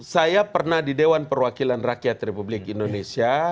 saya pernah di dewan perwakilan rakyat republik indonesia